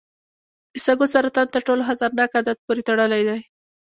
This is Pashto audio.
د سږو سرطان تر ټولو خطرناک عادت پورې تړلی دی.